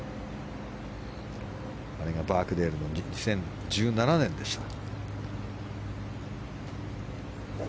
あれがバークデールの２０１７年でした。